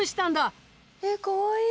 えっかわいい。